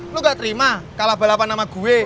lu gak terima kalah balapan sama gue